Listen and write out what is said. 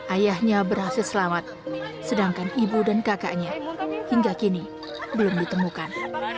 ayahnya berhasil selamat sedangkan ibu dan kakaknya hingga kini belum ditemukan